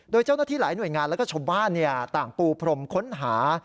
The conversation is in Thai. โดยเจ้าหน้าที่หลายหน่วยงานแล้วก็ชาวบ้านต่างปูพรมค้นหา